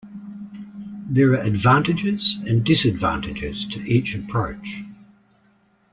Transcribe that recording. There are advantages and disadvantages to each approach.